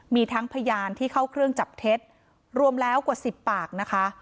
มีทั้งพยานที่เข้าเครื่องจับเท็จรวมแล้วกว่า๑๐ปากนะคะ